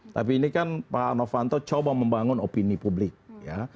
tapi ini kan pak novanto coba membangun opini publik ya